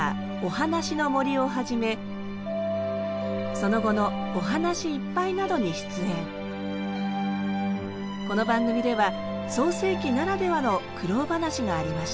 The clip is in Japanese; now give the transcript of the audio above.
この番組では創成期ならではの苦労話がありました。